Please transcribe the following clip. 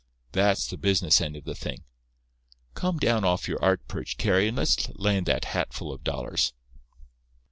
That's the business end of the thing. Come down off your art perch, Carry, and let's land that hatful of dollars."